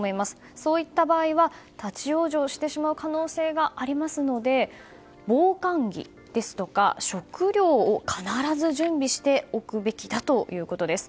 そういった場合は立往生してしまう可能性がありますので防寒着ですとか食料を必ず準備しておくべきということです。